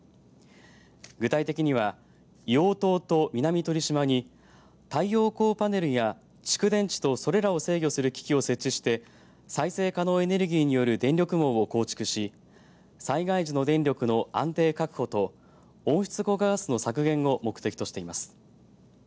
具体的には硫黄島と南鳥島に太陽光パネルや蓄電池とそれらを制御する機器を設置して再生可能エネルギーによる電力網を構築し災害時の電力の安定確保と温室効果ガスの削減を目的としています。